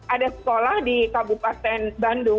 ada sekolah di kabupaten bandung